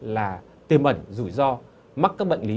là tiềm ẩn rủi ro mắc các bệnh lý